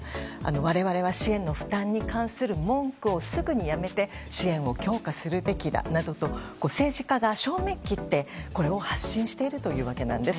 我々は支援の負担に関する文句をすぐにやめて支援を強化するべきだなどと政治家が正面切って発信しているというわけなんです。